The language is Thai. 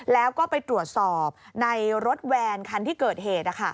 แล้วก็ไปตรวจสอบในรถแวนคันที่เกิดเหตุ